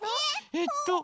えっと。